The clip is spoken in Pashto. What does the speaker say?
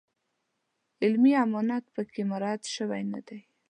علمي امانت په کې مراعات شوی نه وي.